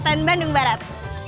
kabupaten bandung barat